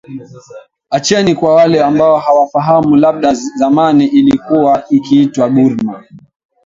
achane kwa wale ambo hawafahamu labda zamani ilikuwa ikiitwa burma